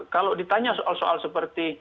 kalau ditanya soal soal seperti